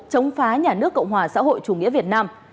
chống phá nhà nước cộng hòa xã hội chủ nghĩa việt nam